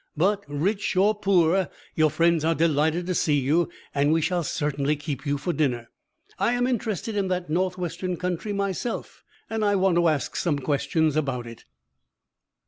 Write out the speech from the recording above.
But, rich or poor, your friends are delighted to see you, and we shall certainly keep you for dinner. I am interested in that Northwestern country myself, and I want to ask some questions about it."